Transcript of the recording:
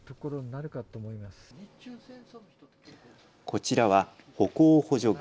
こちらは歩行補助具。